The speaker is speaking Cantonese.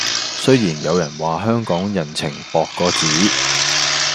雖然有人話香港人情薄過紙